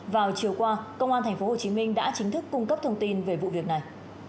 vào chiều qua công an tp hcm đã chính thức cung cấp thông tin về vụ việc này